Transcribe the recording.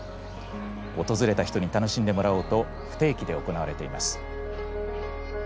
訪れた人に楽しんでもらおうと不定期で行われています。